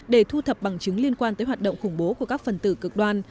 để thu thập bằng chứng liên quan tới hoạt động khủng bố của các phần tử cực đoan